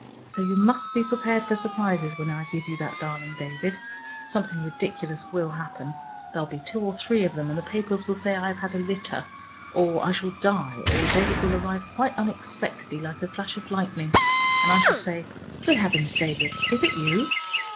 So you must be prepared for surprises when I give you that darling David. Something ridiculous will happen. There'll be two or three of them, and the papers will say I have had a litter, or I shall die, or David will arrive quite unexpectedly like a flash of lightning, and I shall say, 'Good heavens, David, is it you?'